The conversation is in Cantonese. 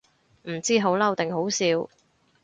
唔知好嬲定好笑